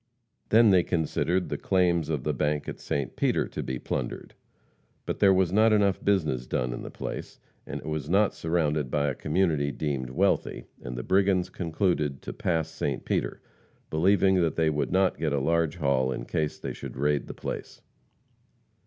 Then they considered the claims of the bank at St. Peter to be plundered. But there was not enough business done in the place, and it was not surrounded by a community deemed wealthy, and the brigands concluded to pass St. Peter, believing that they would not get a large haul in case they should raid the place.